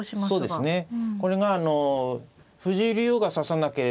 そうですね。